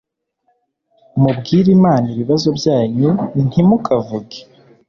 mubwira Imana ibibazo byanyu Ntimukavuge